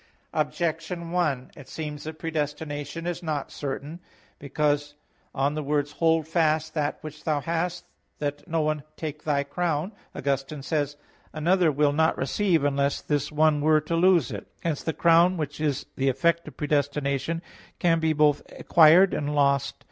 Objection 1: It seems that predestination is not certain. Because on the words "Hold fast that which thou hast, that no one take thy crown," (Rev 3:11), Augustine says (De Corr. et Grat. 15): "Another will not receive, unless this one were to lose it." Hence the crown which is the effect of predestination can be both acquired and lost.